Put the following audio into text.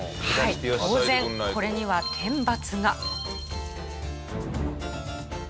当然これには天罰が。